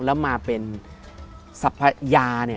แล้วมาเป็นสัพพยา